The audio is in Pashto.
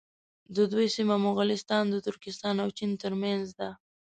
د دوی سیمه مغولستان د ترکستان او چین تر منځ ده.